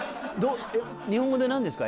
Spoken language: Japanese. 日本語で何ですか？